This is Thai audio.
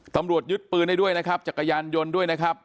ตำรวจยึดปืนได้ด้วยนะครับจักรยานยนต์ด้วยนะครับ